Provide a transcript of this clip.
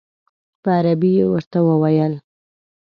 په عربي یې ورته وویل.